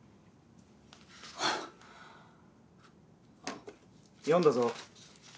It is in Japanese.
あっ読んだぞ。